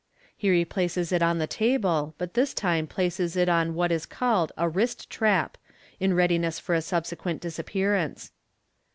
He replaces it on the table, but this time places it on what is called a u wrist trap," in readiness for a subsequent disappearance.